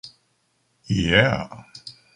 Yeah!